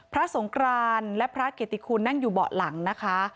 สงกรานและพระเกติคุณนั่งอยู่เบาะหลังนะคะ